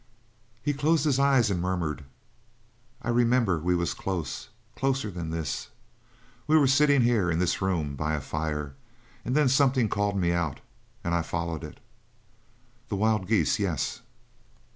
He closed his eyes and murmured: "I remember we was close closer than this. We were sittin' here in this room by a fire. And then something called me out and I follered it." "The wild geese yes."